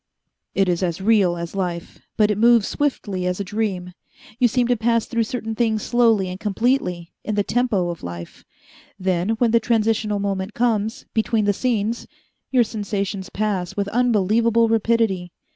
"It is as real as life, but it moves swiftly as a dream. You seem to pass through certain things slowly and completely, in the tempo of life. Then, when the transitional moment comes, between the scenes, your sensations pass with unbelievable rapidity.